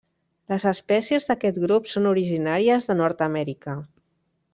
Les espècies d'aquest grup són originàries de Nord-amèrica.